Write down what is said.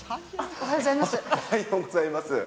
おはようございます。